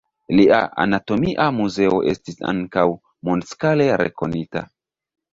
Lia anatomia muzeo estis ankaŭ mondskale rekonita.